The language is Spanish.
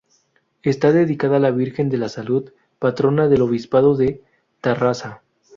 Está dedicada a la Virgen de la Salud, patrona del obispado de Tarrasa.